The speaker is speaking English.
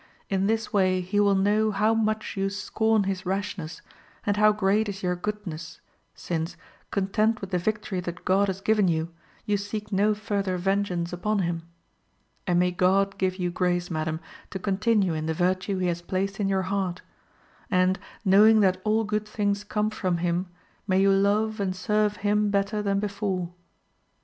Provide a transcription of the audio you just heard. In this way he will know how much you scorn his rashness, and how great is your goodness, since, content with the victory that God has given you, you seek no further vengeance upon him. And may God give you grace, madam, to continue in the virtue He has placed in your heart; and, knowing that all good things come from Him, may you love and serve Him better than before."